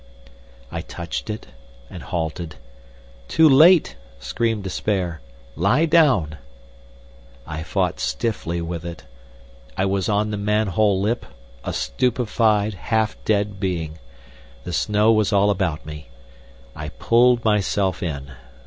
I touched it, and halted. "Too late!" screamed despair; "lie down!" I fought stiffly with it. I was on the manhole lip, a stupefied, half dead being. The snow was all about me. I pulled myself in.